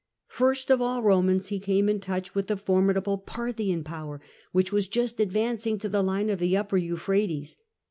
First of all Eomans he came in touch with the formidable Parthian power, which was just advancing to the line of the Upper Euphrates.